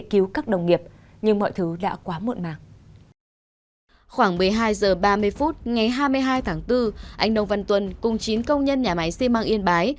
khoảng một mươi hai h ba mươi phút ngày hai mươi hai tháng bốn anh nông văn tuần cùng chín công nhân nhà máy xi măng yên bái